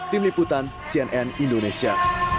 tim liputan cnn indonesia